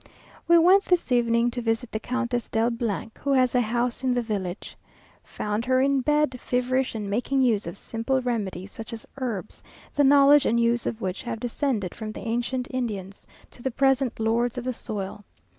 We went this evening to visit the Countess del , who has a house in the village. Found her in bed, feverish, and making use of simple remedies, such as herbs, the knowledge and use of which have descended from the ancient Indians to the present lords of the soil.